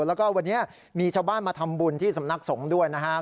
แล้วก็วันนี้มีชาวบ้านมาทำบุญที่สำนักสงฆ์ด้วยนะครับ